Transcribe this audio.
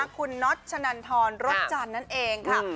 คุณน็อตชะนันทรรสจันทร์นั่นเองค่ะ